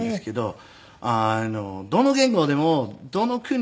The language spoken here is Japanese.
どの言語でもどの国でも。